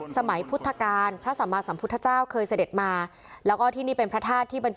สมัยพุทธกาลพระสัมมาสัมพุทธเจ้าเคยเสด็จมาแล้วก็ที่นี่เป็นพระธาตุที่บรรจุ